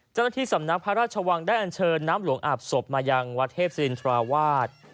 เจ้าหน้าที่สำนักพระราชวังได้อันเชิญน้ำหลวงอาบศพมายังวัดเทพศิรินทราวาส